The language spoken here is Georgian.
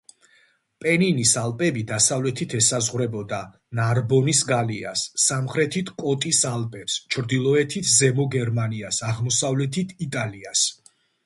პენინის ალპები დასავლეთით ესაზღვრებოდა ნარბონის გალიას, სამხრეთით კოტის ალპებს, ჩრდილოეთით ზემო გერმანიას, აღმოსავლეთით იტალიას.